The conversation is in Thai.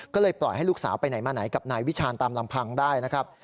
ก็เลยปล่อยให้ลูกสาวไปไหนมาไหนกับนายวิชาณตามลำพังได้นะครับ